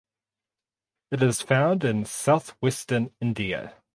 It is found in southwestern India.